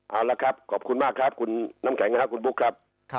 เอาละครับขอบคุณมากครับคุณน้ำแข็งครับคุณบุ๊คครับ